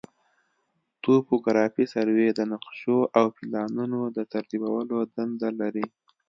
توپوګرافي سروې د نقشو او پلانونو د ترتیبولو دنده لري